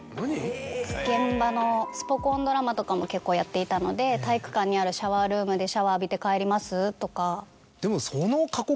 現場のスポ根ドラマとかも結構やっていたので体育館にあるシャワールームでシャワー浴びて帰ります？とか。